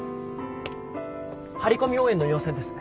張り込み応援の要請です。